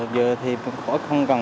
giờ thì không cần